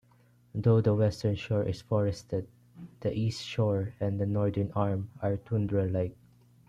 Though the western shore is forested, the east shore and northern arm are tundra-like.